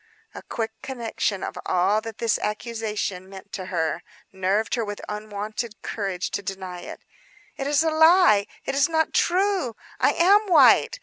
A quick conception of all that this accusation meant for her nerved her with unwonted courage to deny it. "It is a lie; it is not true, I am white!